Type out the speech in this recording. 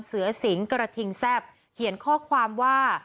เสือสิงกระทิงแซ่บเขียนข้อความว่า